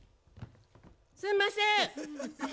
すんません。